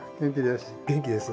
元気です。